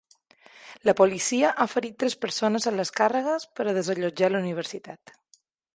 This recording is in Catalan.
La policia ha ferit tres persones en les càrregues per a desallotjar la universitat.